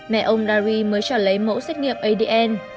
mẹ ông larry mới trả lấy mẫu xét nghiệm adn